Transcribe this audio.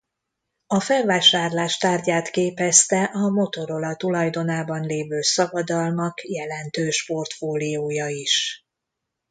A felvásárlás tárgyát képezte a Motorola tulajdonában lévő szabadalmak jelentős portfóliója is.